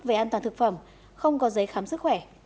về an toàn thực phẩm không có giấy khám sức khỏe